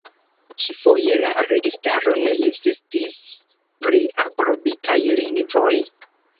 Ĉi-foje la registaro ne insistis pri aprobitaj lingvoj.